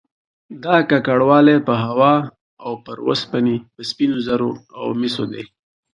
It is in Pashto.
دا ککړوالی په هوا او پر اوسپنې، سپینو زرو او مسو دی